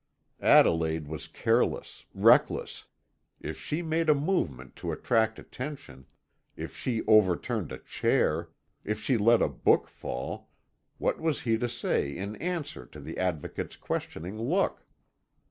Adelaide was careless, reckless. If she made a movement to attract attention, if she overturned a chair, if she let a book fall, what was he to say in answer to the Advocate's questioning look?